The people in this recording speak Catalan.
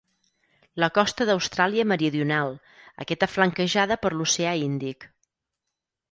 La costa d'Austràlia Meridional aquesta flanquejada per l'Oceà Índic.